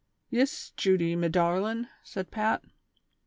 " Yis, Judy, me darlin'," said Pat.